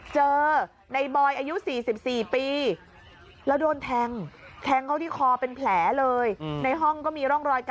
เจอในบอยอายุ๔๔ปี